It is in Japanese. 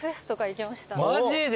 マジで？